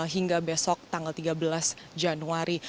hingga besok tanggal tiga belas januari